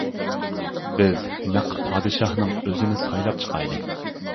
بىز نەق پادىشاھنىڭ ئۆزىنى سايلاپ چىقايلى.